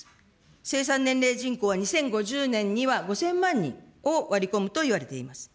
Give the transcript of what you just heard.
生産年齢人口は、２０５０年には５０００万人を割り込むといわれています。